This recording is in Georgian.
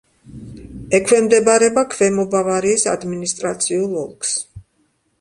ექვემდებარება ქვემო ბავარიის ადმინისტრაციულ ოლქს.